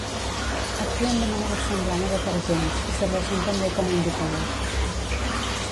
Actuen de manera semblant a detergents i serveixen també com a indicadors.